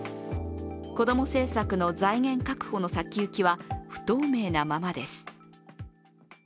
子ども政策の財源確保の先行きは不透明なままです。